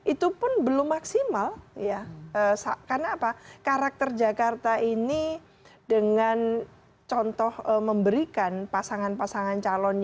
itu pun belum maksimal